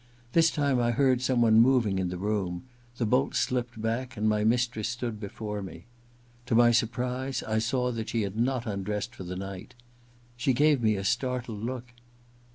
This time I heard some one moving in the room ; the bolt slipped back and my mistress stood before me. To my surprise I saw that she had not undressed for the night. She gave me a startled look.